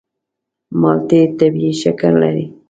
مالټې طبیعي شکر لري.